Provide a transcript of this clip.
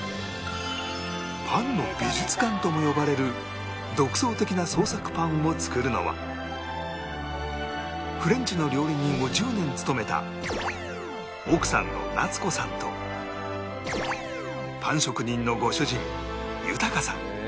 パンの美術館とも呼ばれる独創的な創作パンを作るのはフレンチの料理人を１０年務めた奥さんの夏子さんとパン職人のご主人裕さん